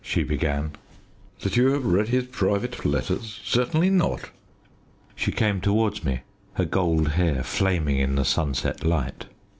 she began. "That you have read his private letters? Certainly not!" She came towards me her gold hair flaming in the sunset light.